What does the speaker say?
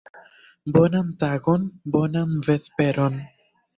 Bonan tagon, bonan vesperon.